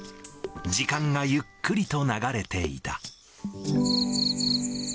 時間がゆっくりと流れていた。